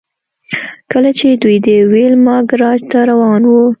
کله چې دوی د ویلما ګراج ته روان وو